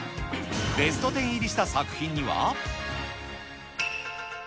ベストテン入りした作品には。